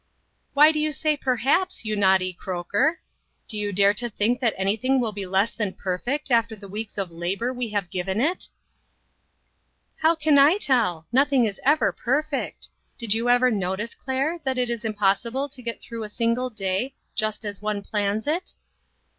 " Why do you say ' perhaps,' you naughty croaker? Do you dare to think that any thing will be less than perfect after the weeks of labor we have given it?" 1 8 INTERRUPTED. " How can I tell ? Nothing is ever per fect. Did you never notice, Claire, that it is impossible to get through a single day just as one plans it